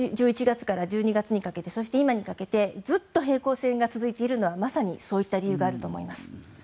１１月から１２月にかけてそして今にかけてずっと平行線が続いているのはそういう理由があると思います。